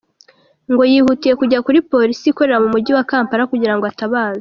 Ngo yihutiye kujya kuri Polisi ikorera mu mujyi wa Kampala kugirango atabaze.